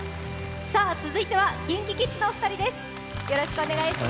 さぁ続いてはＫｉｎＫｉＫｉｄｓのお二人です。